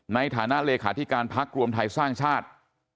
ในฐานะเลขาธิการพักรวมไทยสร้างชาติ